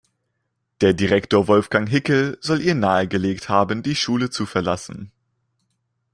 Der Direktor Wolfgang Hickel soll ihr nahegelegt haben, die Schule zu verlassen.